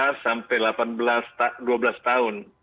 sampai delapan belas dua belas tahun